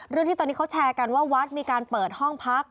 ที่ตอนนี้เขาแชร์กันว่าวัดมีการเปิดห้องพัก